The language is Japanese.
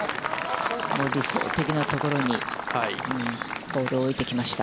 理想的なところに、ボールを置いてきました。